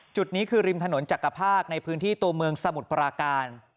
จุดนี้คือริมถนนจักรภาคในพื้นที่ตัวเมืองสมุทรปราการ